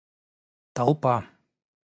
толпа